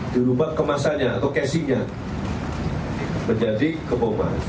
diubah kemasannya atau casingnya menjadi kebomas